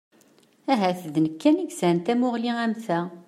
Ahat d nekk kan i yesɛan tamuɣli am ta?